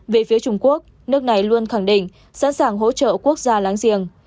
về phía trung quốc nước này luôn khẳng định sẵn sàng hỗ trợ quốc gia láng giềng